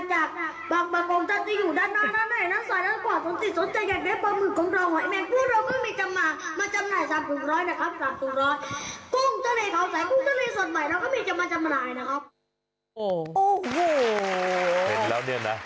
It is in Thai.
เห็นแล้วเนี่ยนะ